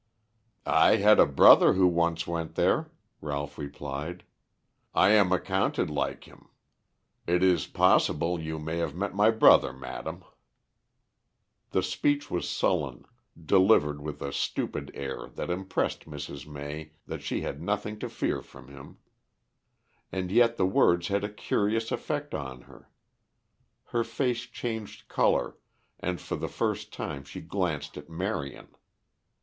"I had a brother who once went there," Ralph replied. "I am accounted like him. It is possible you may have met my brother, madam." The speech was sullen, delivered with a stupid air that impressed Mrs. May that she had nothing to fear from him. And yet the words had a curious effect on her. Her face changed color and for the first time she glanced at Marion.